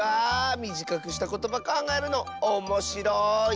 みじかくしたことばかんがえるのおもしろい。